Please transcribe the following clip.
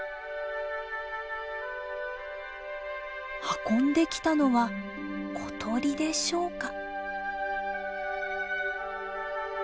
運んできたのは小鳥でしょうか？